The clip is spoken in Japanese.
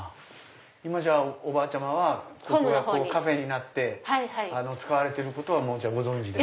今おばあちゃまはここがカフェになって使われてることはご存じで？